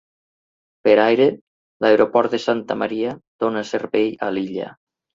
Per aire, l'aeroport de Santa Maria dona servei a l'illa.